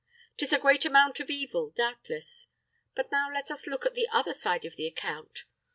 'Tis a great amount of evil, doubtless. But now let us look at the other side of the account.